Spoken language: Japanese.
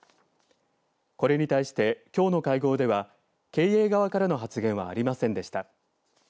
これに対して、きょうの会合では経営側からの発言はありませんでした。